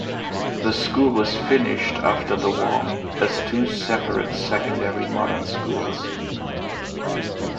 The School was finished after the war as two separate Secondary Modern Schools.